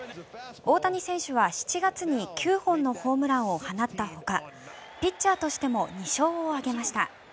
大谷選手は７月に９本のホームランを放ったほかピッチャーとしても２勝を挙げました。